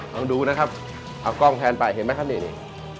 ลองดูนะครับเอากล้องแทนไปเห็นไหมครับนี่